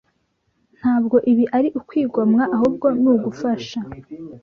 Ntabwo ibi ari ukwigomwa ahubwo nugufasha,